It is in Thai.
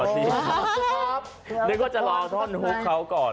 เดี๋ยวก็จะรอท่อนฮุกเขาก่อน